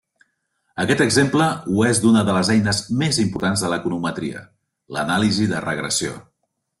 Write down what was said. Aquest exemple ho és d'una de les eines més importants de l'econometria: l'anàlisi de regressió.